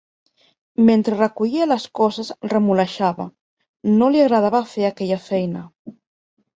Mentre recollia les coses remolejava: no li agradava fer aquella feina.